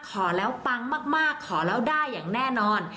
ขอแล้วปังมากขอแล้วได้อย่างแน่นอน